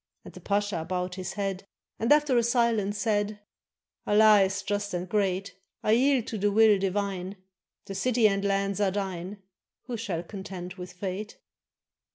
And the pasha bowed his head, And after a silence said : "Allah is just and great ! I yield to the will divine, The city and lands are thine; Who shall contend with fate?"